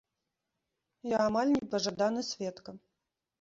Я амаль непажаданы сведка.